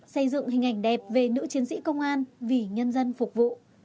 xây dựng hình ảnh đẹp về nữ chiến sĩ công an vì nhân dân phục vụ